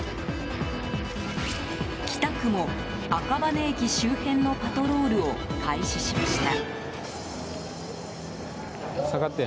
北区も、赤羽駅周辺のパトロールを開始しました。